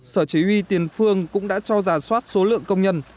sở chỉ huy tiền phương cũng đã cho giả soát số lượng công nhân